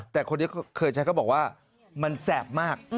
แต่คนที่เคยใช้ก็บอกว่ามันแสบมาก